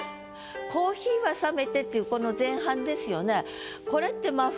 「珈琲は冷めて」っていうこの前半ですよね。